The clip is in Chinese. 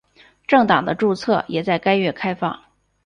政党的注册也在该月开放。